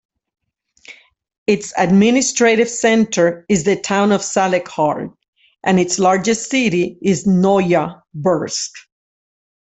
Its administrative center is the town of Salekhard, and its largest city is Noyabrsk.